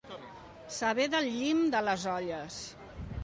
Saber del llim de les olles.